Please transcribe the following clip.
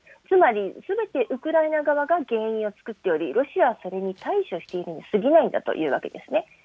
つまり、すべて、ウクライナ側が原因を作っており、ロシアはそれに対処しているにすぎないんだということなんですね。